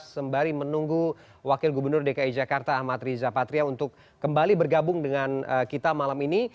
sembari menunggu wakil gubernur dki jakarta ahmad riza patria untuk kembali bergabung dengan kita malam ini